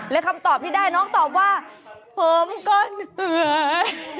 และคำตอบที่ได้น้องตอบว่าผมก็เหนื่อย